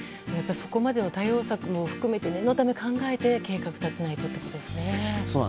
そこまでの対応策も含めて念のために考えて計画を立てないとということですね。